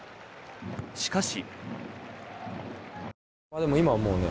しかし。